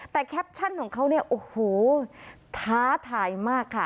แต่แคปชั่นของเขาเนี่ยโอ้โหท้าทายมากค่ะ